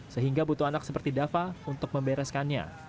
sehingga butuh anak seperti dava untuk membereskannya